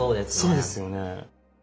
そうですよね。